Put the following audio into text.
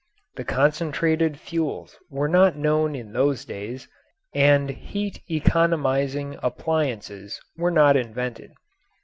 The concentrated fuels were not known in those days, and heat economising appliances were not invented.